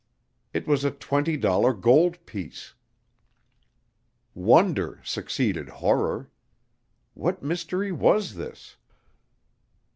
It was a twenty dollar gold piece! Wonder succeeded horror! What mystery was this?